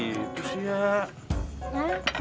setuju sih gua kalau masalah itu mah